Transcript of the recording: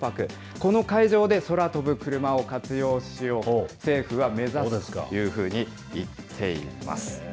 この会場で空飛ぶクルマを活用しようと、政府は目指すというふうにいっています。